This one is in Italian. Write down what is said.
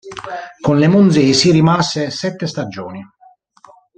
Con le monzesi rimase sette stagioni.